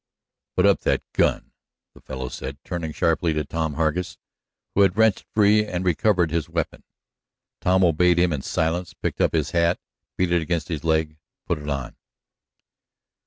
"Put up that gun!" the fellow said, turning sharply to Tom Hargus, who had wrenched free and recovered his weapon. Tom obeyed him in silence, picked up his hat, beat it against his leg, put it on.